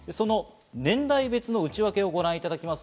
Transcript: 年代別の内訳をご覧いただきます。